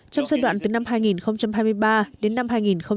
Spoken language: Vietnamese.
trong giai đoạn từ năm hai nghìn hai mươi ba đến năm hai nghìn hai mươi